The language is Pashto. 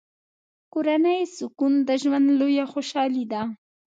کورنی سکون د ژوند لویه خوشحالي ده.